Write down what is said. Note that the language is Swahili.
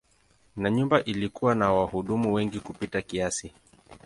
Na nyumba ilikuwa na wahudumu wengi kupita kiasi.